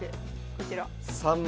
こちら。